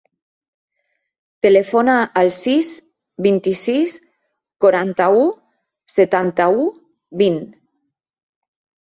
Telefona al sis, vint-i-sis, quaranta-u, setanta-u, vint.